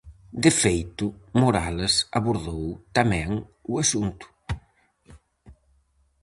De feito, Morales abordou tamén o asunto.